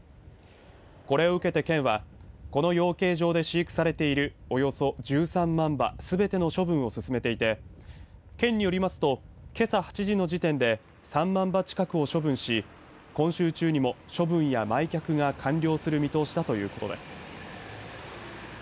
これを受けて県はこの養鶏場で飼育されているおよそ１３万羽すべての処分を進めていて県によりますとけさ８時の時点で３万羽近くを処分し今週中にも処分や埋却が完了する見通しだということです。